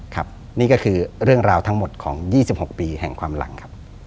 ครับนี่ก็คือเรื่องราวทั้งหมดของ๒๖ปีแห่งความหลังครับ